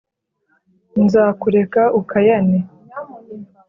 Nzakureka ukayane.